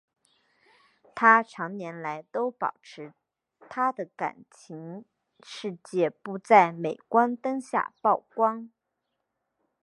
她长年来都保持她的感情世界不在镁光灯下曝光。